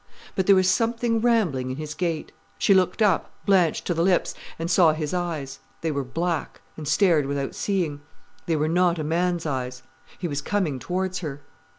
But there was something rambling in his gait. She looked up, blanched to the lips, and saw his eyes. They were black, and stared without seeing. They were not a man's eyes. He was coming towards her.